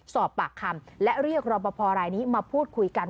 สอบปากคำและเรียกรอปภรายนี้มาพูดคุยกัน